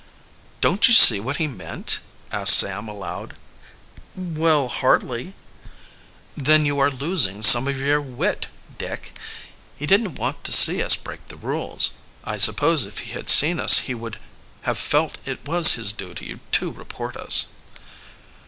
"Don't you see what he meant?" asked Sam aloud. "Well hardly." "Then you are losing some of your wit, Dick. He didn't want to see us break the rules. I suppose if he had seen us he would have felt it was his duty to report us."